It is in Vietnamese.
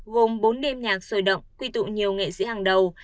gồm bốn đêm nhạc sôi động quy tụ nhiều nghệ sĩ hàng đầu